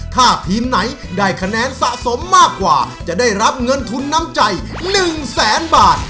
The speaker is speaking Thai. ถ้าทีมไหนได้คะแนนสะสมมากกว่าจะได้รับเงินทุนน้ำใจ๑แสนบาท